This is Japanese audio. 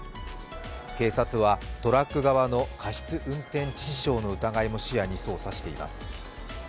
警察は、トラック側の過失運転致死傷の疑いも視野に捜査しています。